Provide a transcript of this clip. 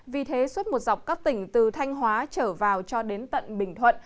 vì thế suốt một dọc các tỉnh từ thanh hóa trở vào cho đến tận bình thuận